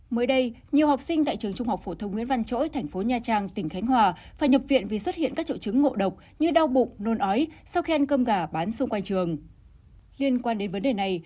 mới đây nhiều học sinh tại trường trung học phổ thông nguyễn văn chỗi thành phố nha trang tỉnh khánh hòa phải nhập viện vì xuất hiện các triệu chứng ngộ độc như đau bụng nôn ói sau khi ăn cơm gà bán xung quanh trường